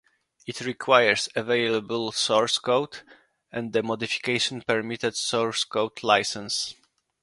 It requires available source code and the modification permitted source code license.